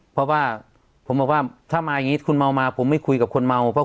เพราะว่าผมบอกว่าถ้ามาอย่างนี้คุณเมามาผมไม่คุยกับคนเมา